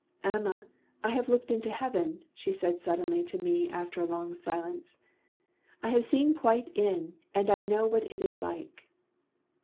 "Amma! I have looked into Heaven!" she said suddenly to me after a long silence. "I have seen quite in, and I know what it is like."